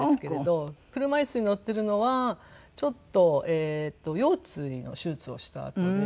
車椅子に乗っているのはちょっと腰椎の手術をしたあとで。